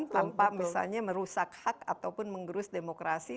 tanpa misalnya merusak hak ataupun menggerus demokrasi